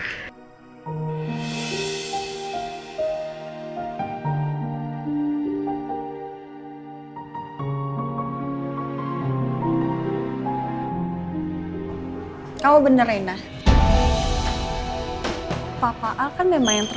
smp juga harus ngerti apa yang gimana bisa masuk ke tempat gegen bleiben kita